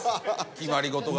決まり事がね。